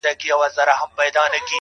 داسي ژوند هم راځي تر ټولو عزتمن به يې,